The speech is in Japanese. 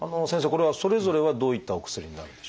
これはそれぞれはどういったお薬になるんでしょうか？